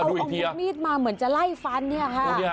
เอาอาวุธมีดมาเหมือนจะไล่ฟันเนี่ยค่ะ